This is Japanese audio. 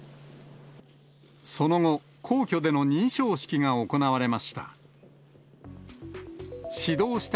その後、皇居での認証式が行われました。